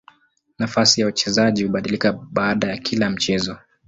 Nafasi ya wachezaji hubadilika baada ya kila mchezo.